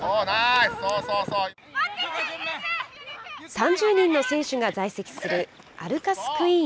３０人の選手が在籍するアルカスクイーン